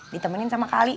ditemenin sama kak ali